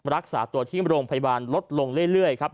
รักษาตัวที่โรงพยาบาลลดลงเรื่อยครับ